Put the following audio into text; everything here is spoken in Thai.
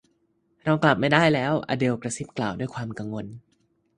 เรากลับไม่ได้แล้ว อเดลกระซิบกล่าวด้วยความกังวล